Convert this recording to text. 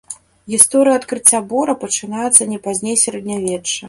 Гісторыя адкрыцця бора пачынаецца не пазней сярэднявечча.